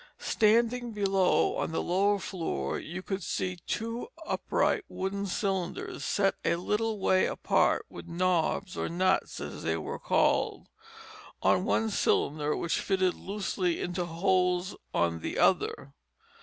Standing below on the lower floor you could see two upright wooden cylinders, set a little way apart, with knobs, or nuts as they were called, on one cylinder which fitted loosely into holes on the other.